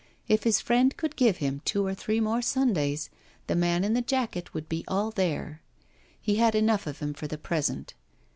If his friend could give him two or three more Sundays the man in the jacket would be all there. He had enough of him for the present.